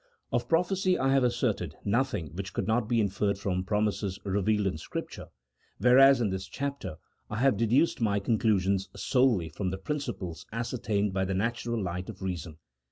Of prophecy I have asserted nothing which could not be inferred from promises revealed in Scripture, whereas in this chapter I have deduced my conclusions solely from the principles ascertained by the natural light of reason.